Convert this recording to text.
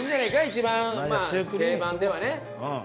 一番定番ではね。